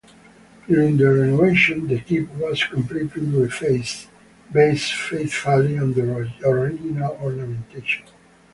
During the renovation, the keep was completely refaced based faithfully on the original ornamentation.